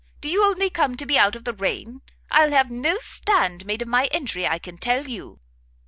do you only come to be out of the rain? I'll have no stand made of my entry, I can tell you!"